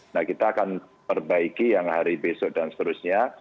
nah kita akan perbaiki yang hari besok dan seterusnya